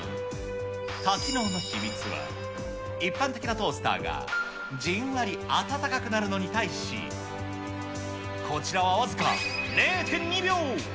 多機能の秘密は、一般的なトースターがじんわり温かくなるのに対し、こちらは僅か０．２秒。